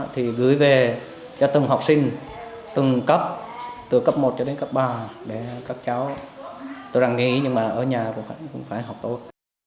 thì gửi về cho từng học sinh từng cấp từ cấp một cho đến cấp ba để các cháu tự rằng nghĩ nhưng mà ở nhà cũng phải học tốt